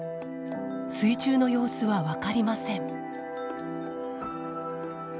水中の様子は分かりません。